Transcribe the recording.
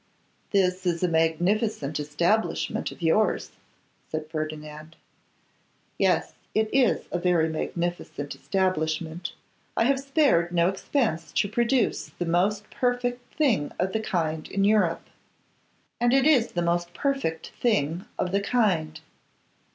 'This is a magnificent establishment of yours,' said Ferdinand. 'Yes; it is a very magnificent establishment. I have spared no expense to produce the most perfect thing of the kind in Europe; and it is the most perfect thing of the kind.